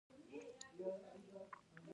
بهانه کول د چمګیره انسان کار دی